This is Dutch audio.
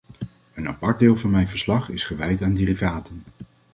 Een apart deel van mijn verslag is gewijd aan derivaten.